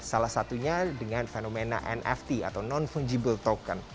salah satunya dengan fenomena nft atau non fungible token